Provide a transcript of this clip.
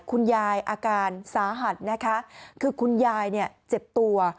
คุณยายอาการสาหัสนะคะคือคุณยายเจ็บตัว